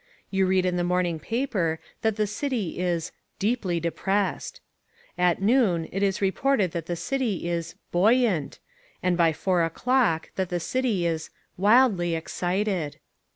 You read in the morning paper that the City is "deeply depressed." At noon it is reported that the City is "buoyant" and by four o'clock that the City is "wildly excited."